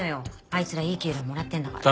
あいつらいい給料もらってんだから。